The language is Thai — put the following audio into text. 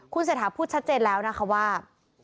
เศรษฐาพูดชัดเจนแล้วนะคะว่า